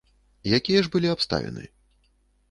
Якія ж былі абставіны?